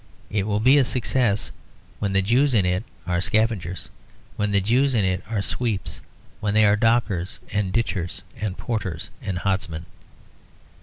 It will be a success when the Jews in it are scavengers, when the Jews in it are sweeps, when they are dockers and ditchers and porters and hodmen.